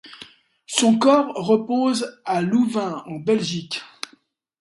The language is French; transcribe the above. Son corps repose à Louvain en Belgique.